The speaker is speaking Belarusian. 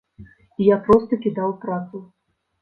І я проста кідаў працу.